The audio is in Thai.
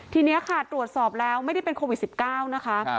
ทีนี้ค่ะตรวจสอบแล้วไม่ได้เป็นโควิด๑๙นะคะ